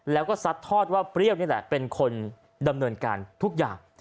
แล้วก็ซัดทอดว่าเปรี้ยวนี่แหละเป็นคนดำเนินการทุกอย่าง